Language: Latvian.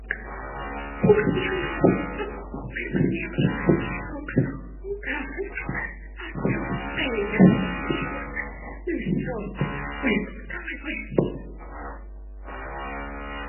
Mūsdienās pakalpojumu sniegšanas biežums un grafiks atbilst peļņas gūšanas, nevis dzelzceļa lietotāju vajadzībām.